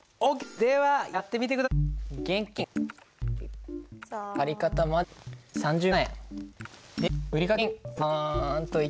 ではやってみて下さい！